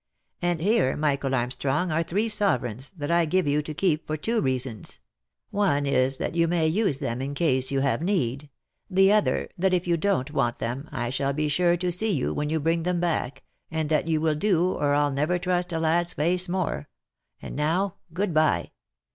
And here, Michael Armstrong, are three sovereigns, that I give you to keep for two reasons. One is, that you may use them in case you have need. The other, that if you don't want them, I shall be sure to see you, when you bring them back, and that you will do, or I'll never trust a lad's face more ; and now good bye.